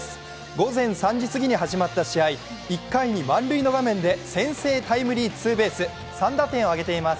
午前３時すぎに始まった試合１回に満塁の場面で先制タイムリーツーベース３打点を挙げています。